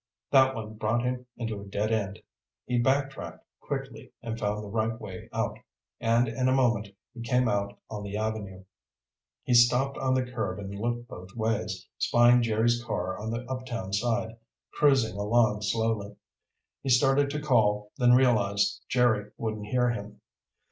That one brought him into a dead end. He backtracked quickly and found the right way out, and in a moment he came out on the avenue. He stopped on the curb and looked both ways, spying Jerry's car on the uptown side, cruising along slowly. He started to call, then realized Jerry wouldn't hear him.